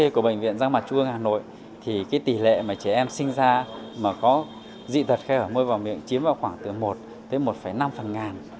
của bệnh viện răng mặt chua hà nội tỷ lệ trẻ em sinh ra có dị tật khe hở môi vò miệng chiếm vào khoảng từ một một năm phần ngàn